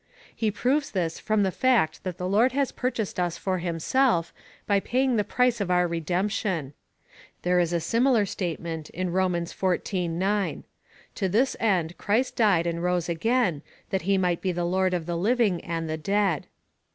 He proves this from the fact that the Lord has purchased us for himself, by pay ing the price of our redemption. There is a similar state ment in Rom. xiv. 9. To this end Christ died and rose again, that he might be Lord of the living and the dead.